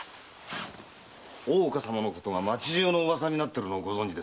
大岡様のことが町中の噂になってるのをご存じですか？